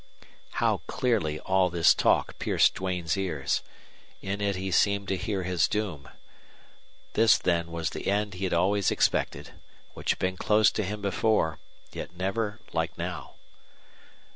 How clearly all this talk pierced Duane's ears! In it he seemed to hear his doom. This, then, was the end he had always expected, which had been close to him before, yet never like now.